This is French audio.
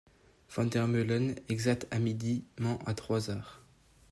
Vandermeulen, exact à midi, ment à trois heures.